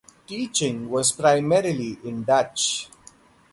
Teaching was primarily in Dutch.